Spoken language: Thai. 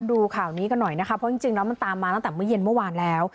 ดูข่าวนี้กันหน่อยนะคะเพราะจริงแล้วมันตามมาตั้งแต่เมื่อเย็นเมื่อวานแล้ว